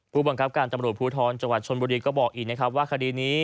ผู้บังคับการตำรวจภูทรจังหวัดชนบุรีก็บอกอีกนะครับว่าคดีนี้